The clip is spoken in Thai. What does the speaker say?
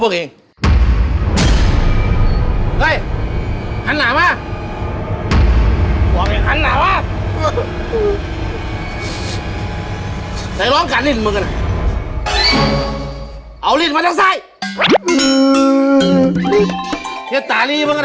มึงไม่อยากรับรับรอ